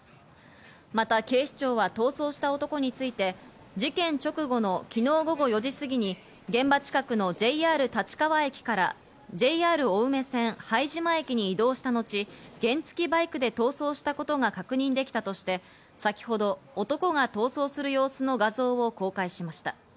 また警視庁は逃走した男について、事件直後の昨日午後４時過ぎに現場近くのＪＲ立川駅からＪＲ青梅線拝島駅に移動した後、原付バイクで逃走したことが確認できたとして、先ほど男が逃走する様子の画像を公開しました。